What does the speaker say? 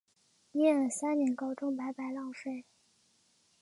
念了三年高中白白浪费